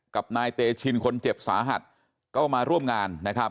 กับนายเตชินคนเจ็บสาหัสก็มาร่วมงานนะครับ